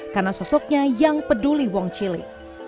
karena sosoknya yang peduli wong cili